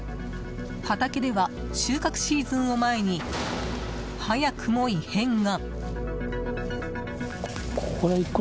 畑では、収穫シーズンを前に早くも異変が。